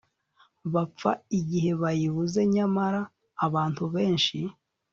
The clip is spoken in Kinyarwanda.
bapfa igihe bayibuze Nyamara abantu benshi